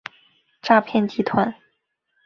诈骗集团